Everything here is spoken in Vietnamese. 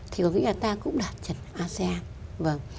thì có nghĩa là ta cũng đạt chuẩn asean